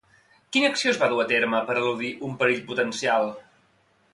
Quina acció es va dur a terme per eludir un perill potencial?